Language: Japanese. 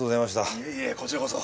いえいえこちらこそ。